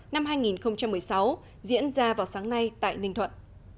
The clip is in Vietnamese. năm hai nghìn một mươi sáu diễn ra vào sáng nay tại ninh thuận